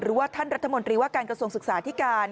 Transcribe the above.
หรือว่าท่านรัฐมนตรีว่าการกระทรวงศึกษาที่การ